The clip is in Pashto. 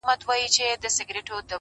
• که کتل یې له کلا خلک راوزي ,